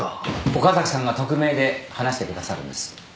岡崎さんが匿名で話してくださるんです。